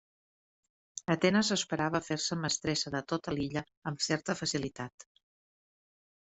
Atenes esperava fer-se mestressa de tota l'illa amb certa facilitat.